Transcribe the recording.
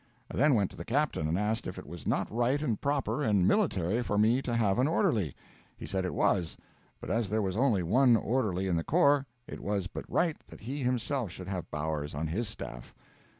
I then went to the captain, and asked if it was not right and proper and military for me to have an orderly. He said it was, but as there was only one orderly in the corps, it was but right that he himself should have Bowers on his staff.